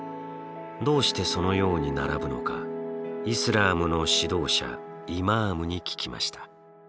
どうしてそのように並ぶのかイスラームの指導者イマームに聞きました。